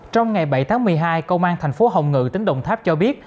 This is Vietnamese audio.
trong ngày bảy tháng một mươi hai công an thành phố hồng ngự tỉnh đồng tháp cho biết